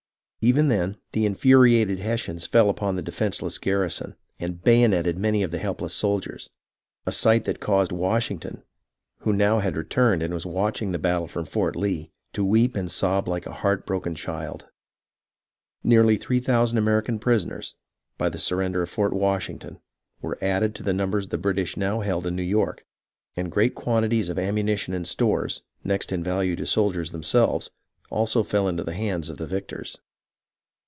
Even then, the infuriated Hessians fell upon the defenceless garrison, and bayo neted many of the helpless soldiers, a sight that caused Washington, who now had returned and was watching the battle from Fort Lee, to weep and sob like a heart JOSEPH BRANT THAVENDANEGEA The Great Captain of the Six Nations THE FLIGHT ACROSS THE JERSEYS 1 33 broken child. Nearly three thousand American prison ers, by the surrender of Fort Washington, were added to the numbers the British now held in New York, and great quantities of ammunition and stores, next in value to the soldiers themselves, also fell into the hands of the victors.